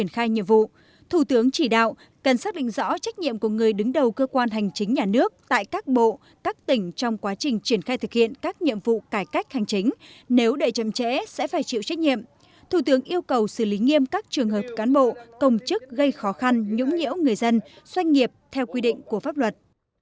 để thực hiện tốt nhiệm vụ thủ tướng chỉ đạo cần xác định rõ trách nhiệm của người đứng đầu cơ quan hành chính nhà nước tại các bộ các tỉnh trong quá trình triển khai thực hiện các nhiệm vụ cải cách hành chính nếu đợi chậm trễ sẽ phải chịu trách nhiệm thủ tướng yêu cầu xử lý nghiêm các trường hợp cán bộ công chức gây khó khăn nhũng nhiễu người dân doanh nghiệp theo quy định của pháp luật